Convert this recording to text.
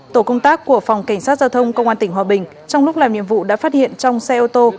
tổ công tác của phòng cảnh sát giao thông công an tỉnh hòa bình trong lúc làm nhiệm vụ đã phát hiện trong xe ô tô